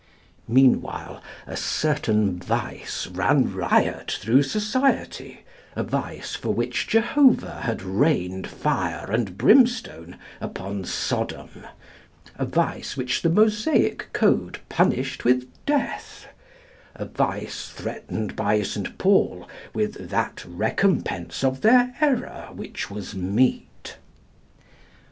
Meanwhile a certain vice ran riot through society, a vice for which Jehovah had rained fire and brimstone upon Sodom, a vice which the Mosaic code punished with death, a vice threatened by St. Paul with "that recompence of their error which was meet."